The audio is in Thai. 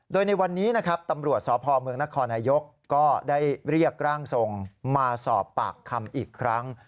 โดยในวันนี้นะครับตำรวจสพเมืองนครนายกก็ได้เรียกร่างทรงมาสอบปากคำอีกครั้ง